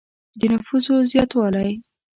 د نفوسو زیاتوالی.